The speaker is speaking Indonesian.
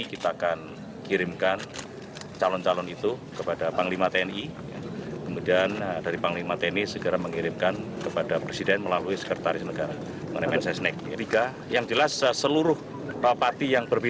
tiga nama tersebut akan menggantikan fit and proper test secara internal di tni